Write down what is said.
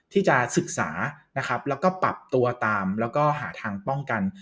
ที่จะศึกษานะครับแล้วก็ปรับตัวตามแล้วก็หาทางป้องกัน